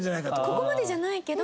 ここまでじゃないけど。